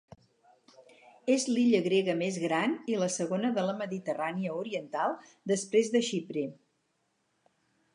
És l'illa grega més gran i la segona de la Mediterrània oriental després de Xipre.